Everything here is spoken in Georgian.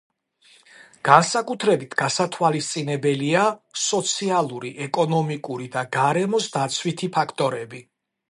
განსაკუთრებით გასათვალისწინებელია სოციალური, ეკონომიკური და გარემოს დაცვითი ფაქტორები.